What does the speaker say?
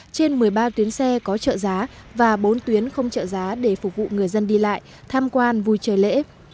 trên một mươi ba tuyến xe có trợ giá và bốn tuyến không trợ giá để phục vụ người dân đi lại tham quan vui chơi lễ